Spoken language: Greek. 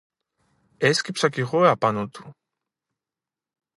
Έσκυψα κι εγώ απάνω του